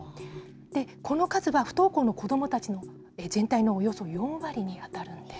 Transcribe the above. この数は、不登校の子どもたちの全体のおよそ４割に当たるんです。